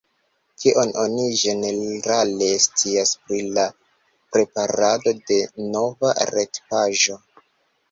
Kion oni ĝenerale scias pri la preparado de nova retpaĝo?